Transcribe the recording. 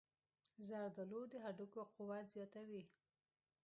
زردآلو د هډوکو قوت زیاتوي.